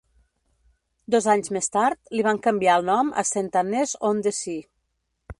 Dos anys més tard li van canviar el nom a Saint Annes-on-the-Sea.